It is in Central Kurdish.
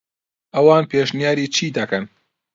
ئەوان پێشنیاری چی دەکەن؟